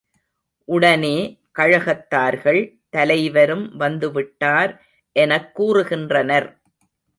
உடனே, கழகத்தார்கள் தலைவரும் வந்து விட்டார் எனக் கூறுகின்றனர்.